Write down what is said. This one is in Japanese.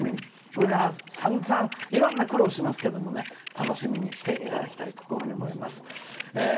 これからさんざんいろんな苦労しますけど楽しみにしていただきたいと思います。